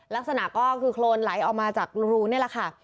ลักษณะก็คือโครนไหลออกมาจากรูนี่แหละค่ะ